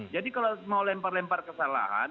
jadi kalau mau lempar lempar kesalahan